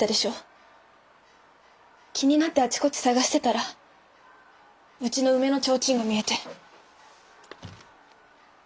気になってあちこち捜してたらうちの梅の提灯が見えて。